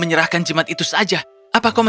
sendirilah syllabus lengkapi yang lama